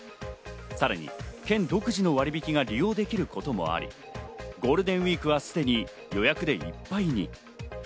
さらに県独自の割引が利用できることもあり、ゴールデンウイークはすでに予約でいっぱいに。